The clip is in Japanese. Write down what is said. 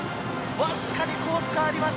わずかにコースが変わりました。